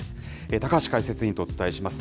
高橋解説委員とお伝えします。